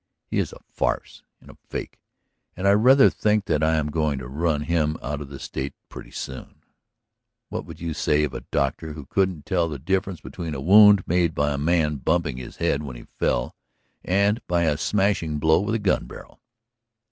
He is a farce and a fake, and I rather think that I am going to run him out of the State pretty soon. ... What would you say of a doctor who couldn't tell the difference between a wound made by a man bumping his head when he fell and by a smashing blow with a gun barrel?